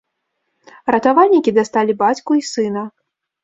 Ратавальнікі дасталі бацьку і сына.